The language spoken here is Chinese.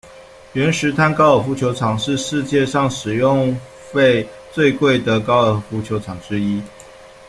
圆石滩高尔夫球场是世界上使用费最贵的高尔夫球场之一。